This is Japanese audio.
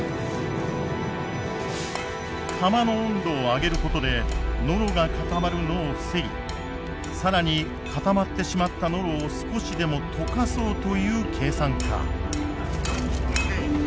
釜の温度を上げることでノロが固まるのを防ぎ更に固まってしまったノロを少しでも溶かそうという計算か。